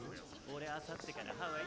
俺あさってからハワイ。